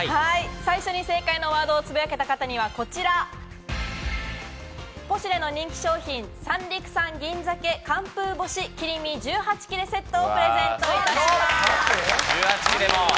最初に正解のワードをつぶやけた方にはこちら、ポシュレの人気商品、「三陸産銀鮭寒風干し切り身１８切セット」をプレゼントいたします。